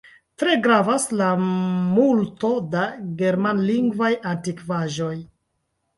Tre gravas la multo da germanlingvaj antikvaĵoj.